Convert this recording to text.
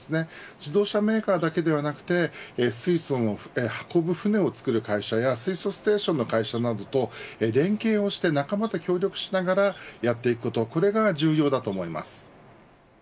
自動車メーカーだけではなくて水素を運ぶ船をつくる会社や水素ステーションの会社との連携をして仲間と協力しながらやっていくことこれが重要だと思います。